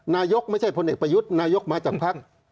นายกไม่ใช่พลเอกประยุทธ์นายกมาจากภักดิ์